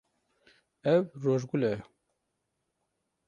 Ev rojgul e.